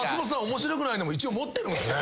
面白くないのも一応持ってるんすね。